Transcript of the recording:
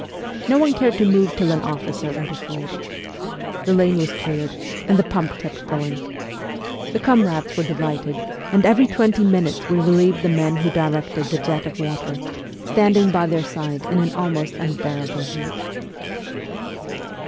No one cared to move till an officer interfered. The lane was cleared, and the pump kept going. The comrades were delighted, and every twenty minutes we relieved the men who directed the jet of water, standing by their side in an almost unbearable heat.